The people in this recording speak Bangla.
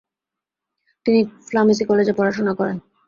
তিনি ফ্লামেসি কলেজে পড়াশুনা করেন।